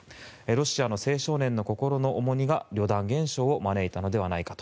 ロシアの青少年の心の重荷がリョダン現象を招いたのではないか。